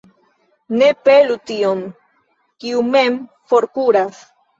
Ne pelu tiun, kiu mem forkuras.